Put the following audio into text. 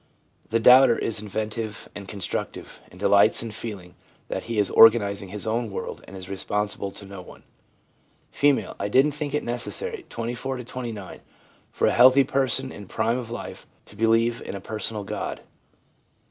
The doubter is inventive and constructive, and delights in feeling that be is organising his own world and is responsible to no one. F. ' I didn't think it necessary (24 to 29) for a healthy person in the prime of life to believe in a personal God.'